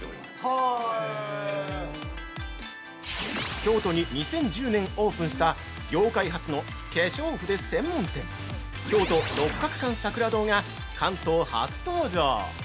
◆京都に２０１０年オープンした業界初の化粧筆専門店「京都六角館さくら堂」が関東初登場！